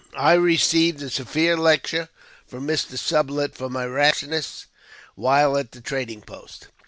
I received a severe lecture from Mr. Sublet for my rashness while at the trading post.